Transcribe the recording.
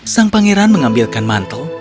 sang pangeran mengambilkan mantel